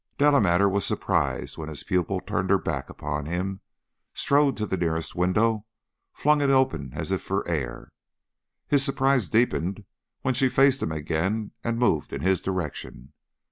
Delamater was surprised when his pupil turned her back upon him, strode to the nearest window, and flung it open as if for air; his surprise deepened when she faced him again and moved in his direction.